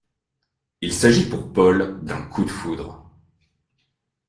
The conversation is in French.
Il s'agit pour Paul d'un coup de foudre.